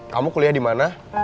kamu kuliah di mana